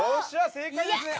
正解ですね。